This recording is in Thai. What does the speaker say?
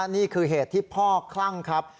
นี่คือเหตุที่พ่อคลั่งครับ